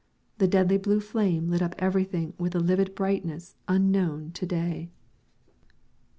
The deadly blue flame lit up everything with a livid brightness unknown to day.